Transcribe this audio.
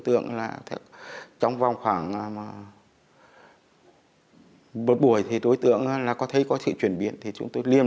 tượng là trong vòng khoảng một buổi thì đối tượng là có thấy có sự chuyển biến thì chúng tôi liềm